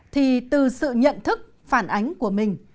thì từ sự nhận thức phản ánh của mình